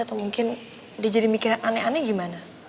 atau mungkin dia jadi mikir aneh aneh gimana